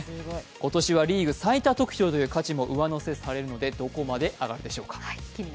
今年はリーグ最多得票で価値も上乗せされるのでどこまで上がるでしょうか。